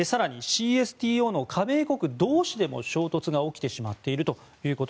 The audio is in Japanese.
更に、ＣＳＴＯの加盟国同士でも衝突が起きてしまっていると。